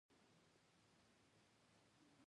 افغانستان کې سلیمان غر د هنر په اثارو کې منعکس کېږي.